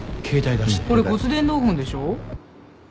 これ骨伝導ホンでしょ？